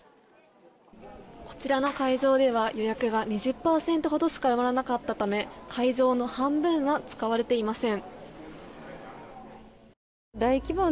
こちらの会場では予約が２０％ほどしか埋まらなかったため会場の半分は使われていません。